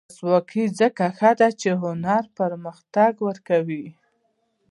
ولسواکي ځکه ښه ده چې هنر پرمختګ ورکوي.